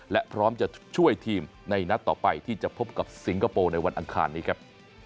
และพร้อมจะช่วยทีมในนัดต่อไปที่จะพบกับสิงคโปร์ในวันอังคารนี้ครับ